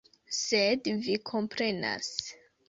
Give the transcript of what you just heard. Sed vi komprenas.